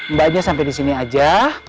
mbaknya sampai di sini aja